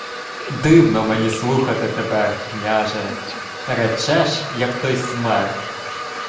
— Дивно мені слухати тебе, княже. Речеш, як той смерд.